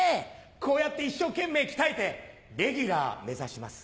こうやって一生懸命鍛えてレギュラー目指します。